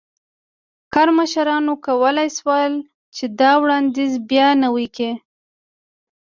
کارمشرانو کولای شول چې دا وړاندیز بیا نوی کړي.